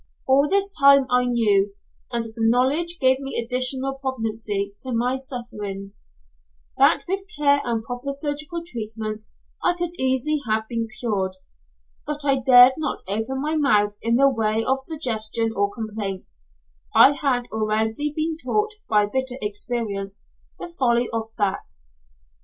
All this time I knew, and the knowledge gave additional poignancy to my sufferings, that with care and proper surgical treatment I could easily have been cured; but I dared not open my mouth in the way of suggestion or complaint, I had already been taught, by bitter experience, the folly of that.